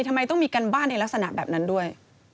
ทำไมต้องมีการบ้านในลักษณะแบบนั้นด้วย